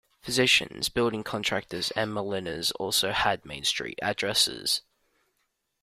Physicians, building contractors, and milliners also had Main Street addresses.